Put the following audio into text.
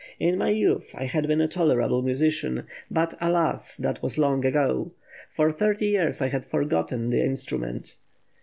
In my youth I had been a tolerable musician, but, alas, that was long ago. For thirty years I had forgotten the instrument.